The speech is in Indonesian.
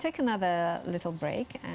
masalah yang terjadi